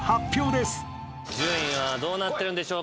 順位はどうなってるんでしょうか。